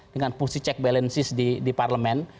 dengan fungsi check balances di parlemen